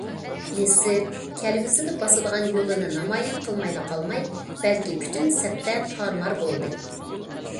مىسىر كەلگۈسىدە باسىدىغان يولىنى نامايان قىلالمايلا قالماي بەلكى پۈتۈن سەپتە تارمار بولدى.